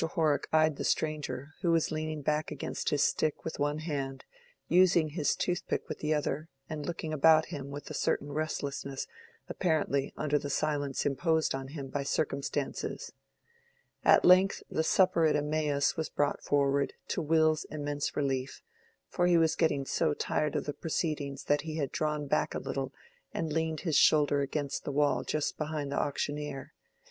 Horrock eyed the stranger, who was leaning back against his stick with one hand, using his toothpick with the other, and looking about him with a certain restlessness apparently under the silence imposed on him by circumstances. At length the "Supper at Emmaus" was brought forward, to Will's immense relief, for he was getting so tired of the proceedings that he had drawn back a little and leaned his shoulder against the wall just behind the auctioneer.